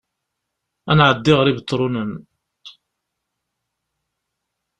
Ad nɛeddi ɣer Ibetṛunen